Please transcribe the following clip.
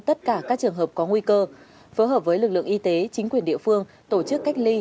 tất cả các trường hợp có nguy cơ phối hợp với lực lượng y tế chính quyền địa phương tổ chức cách ly